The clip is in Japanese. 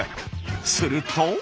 すると。